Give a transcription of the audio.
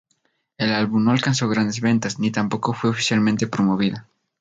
El álbum no alcanzó grandes ventas, ni tampoco fue oficialmente promovida.